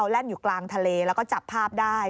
แล่นอยู่กลางทะเลแล้วก็จับภาพได้